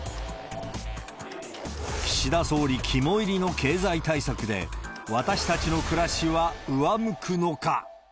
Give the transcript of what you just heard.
岸田総理肝煎りの経済対策で、私たちの暮らしは上向くのか。